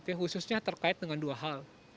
khususnya terkait dengan dua hal